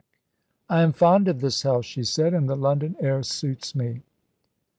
"I am fond of this house," she said, "and the London air suits me."